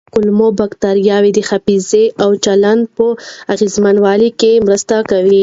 کولمو بکتریاوې د حافظې او چلند په اغېزمنولو کې مرسته کوي.